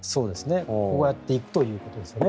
こうやっていくということですね。